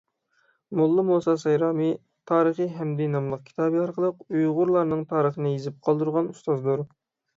موللا مۇسا سايرامى «تارىخى ھەمىدى» ناملىق كىتابى ئارقىلىق ئۇيغۇرلارنىڭ تارىخىنى يېزىپ قالدۇرغان ئۇستازدۇر.